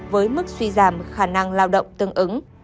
với mức suy giảm khả năng lao động tương ứng